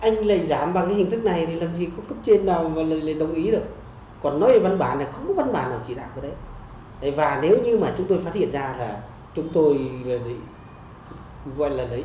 nếu như mà chúng tôi phát hiện ra là chúng tôi